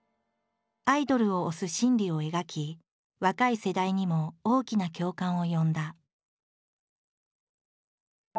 アイドルを推す心理を描き若い世代にも大きな共感を呼んだ。